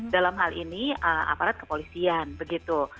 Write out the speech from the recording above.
dalam hal ini aparat kepolisian begitu